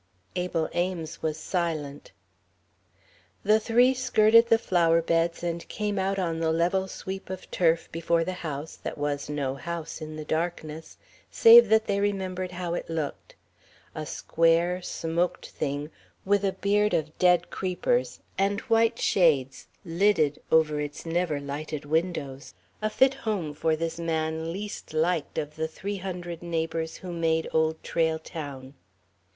Abel Ames was silent. The three skirted the flower beds and came out on the level sweep of turf before the house that was no house in the darkness, save that they remembered how it looked: a square, smoked thing, with a beard of dead creepers and white shades lidded over its never lighted windows a fit home for this man least liked of the three hundred neighbours who made Old Trail Town.